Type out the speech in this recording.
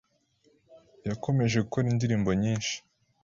yakomeje gukora indirimbo nyinshi